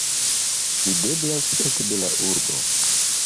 Videblas ekde la urbo.